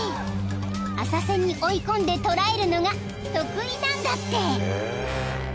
［浅瀬に追い込んで捕らえるのが得意なんだって］